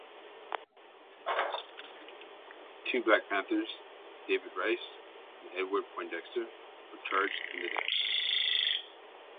Two Black Panthers, David Rice and Edward Poindexter, were charged in the death.